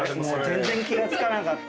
全然気が付かなかった。